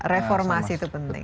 reformasi itu penting